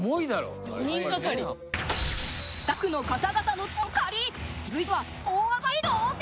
スタッフの方々の力を借り続いては挑戦！